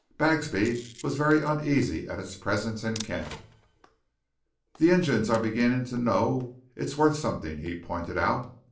Bagsby was very uneasy at its presence in camp. "The Injuns are beginning to know it's wuth something," he pointed out.